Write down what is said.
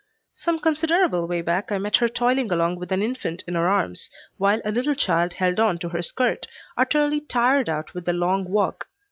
Some considerable way back I met her toiling along with an infant in her arms, while a little child held on to her skirt, utterly tired out with the long walk.